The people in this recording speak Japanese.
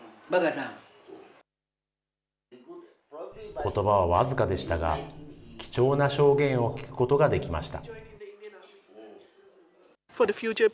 ことばは僅かでしたが、貴重な証言を聞くことができました。